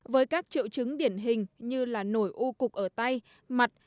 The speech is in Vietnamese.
với các triệu chứng điển hình như là nổi u cục ở tay mặt